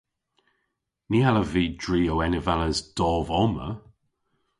Ny allav vy dri ow enevales dov omma.